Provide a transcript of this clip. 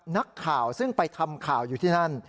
นักข่าวซึ่งไปทำข่าวอยู่ที่นั่น